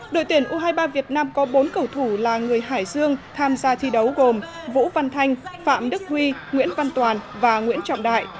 đội tuyển u hai mươi ba việt nam có bốn cầu thủ là người hải dương tham gia thi đấu gồm vũ văn thanh phạm đức huy nguyễn văn toàn và nguyễn trọng đại